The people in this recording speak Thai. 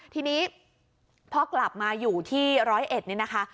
ทีนี้พอกลับมาอยู่ที่ร้อยเอ็ดนี่นะคะ